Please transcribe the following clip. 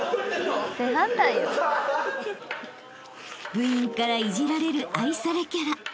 ［部員からイジられる愛されキャラ］